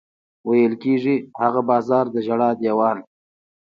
ویل کېږي هغه بازار د ژړا دېوال.